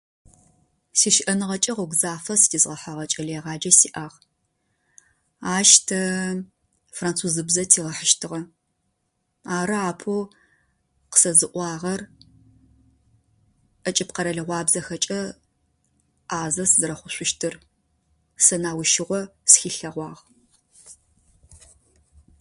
Сищыӏэныгъэкӏэ гъогу зафэ сытезгъэхьагъэ кӏэлэегъаджэ сиӏагъ, ащ тэ французыбзэ тигъэхьыщтыгъэ, ары апэу къэсэзыӏуагъэр ӏэкӏыб къэрэлыгъуабзэхэкӏэ ӏазэ сызэрэхъушъущтыр, сэнаущыгъо схилъэгъуагъ.